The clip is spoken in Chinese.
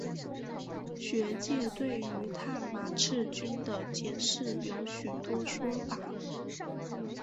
学界对于探马赤军的解释有许多说法。